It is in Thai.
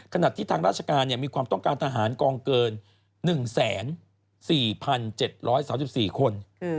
ทางที่ทางราชการมีความต้องการทหารกองเกิน๑๔๗๓๔คน